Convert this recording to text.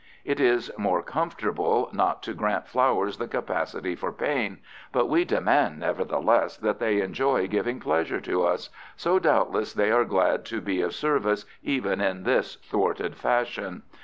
It is more comfortable not to grant flowers the capacity for pain, but we demand, nevertheless, that they enjoy giving pleasure to us, so doubtless they are glad to be of service even in this thwarted fashion.